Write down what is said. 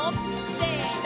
せの！